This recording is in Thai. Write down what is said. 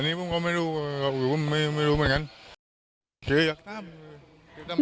อันนี้พวกมันก็ไม่รู้ไม่รู้เหมือนกัน